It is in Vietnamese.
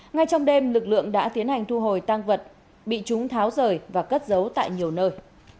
ngay trong đêm lực lượng đã tiến hành thu hồi tăng vật bị chúng tháo rời và cất giấu tại nhiều nơi